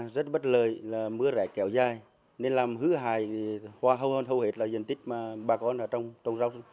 rất bất lợi là mưa rẻ kéo dài nên làm hư hại hầu hết là dân tích mà bà con ở trong rau